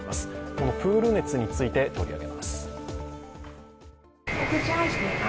このプール熱について取り上げます。